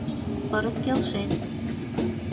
Пырыс келшен.